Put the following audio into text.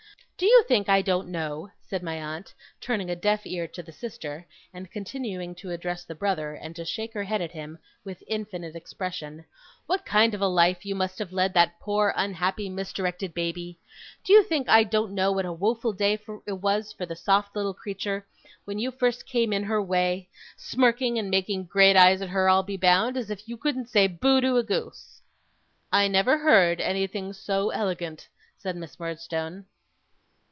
'Do you think I don't know,' said my aunt, turning a deaf ear to the sister, and continuing to address the brother, and to shake her head at him with infinite expression, 'what kind of life you must have led that poor, unhappy, misdirected baby? Do you think I don't know what a woeful day it was for the soft little creature when you first came in her way smirking and making great eyes at her, I'll be bound, as if you couldn't say boh! to a goose!' 'I never heard anything so elegant!' said Miss Murdstone.